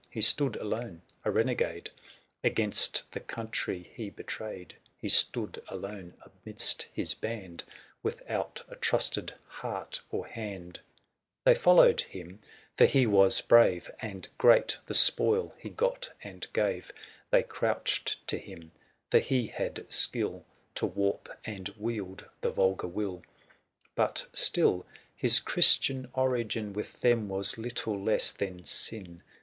^60 He stood alone — a renegade Against the country he betrayed ; He stood alone amidst his band. Without a trusted heart or hand : They followed him, for he was brave, 265 And great the spoil he got and gave ; They crouched to him, for he had skill To warp and wield the vulgar will : But still his Christian origin With them was little less than sin.